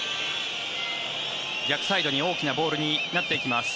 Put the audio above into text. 逆サイドに大きなボールになっていきます。